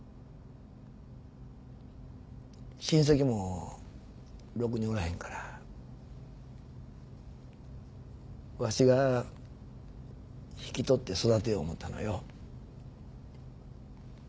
親戚もろくにおらへんからわしが引き取って育てよう思うたのよ。